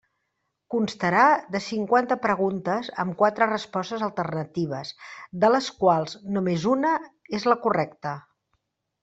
Constarà de cinquanta preguntes amb quatre respostes alternatives de les quals només una és la correcta.